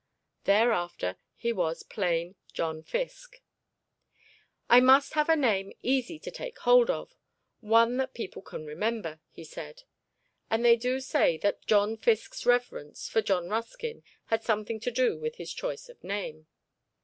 Thereafter he was plain John Fiske. "I must have a name easy to take hold of: one that people can remember," he said. And they do say that John Fiske's reverence for John Ruskin had something to do with his choice of name.